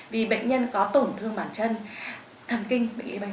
vì bệnh nhân có tổn thương bàn chân thần kinh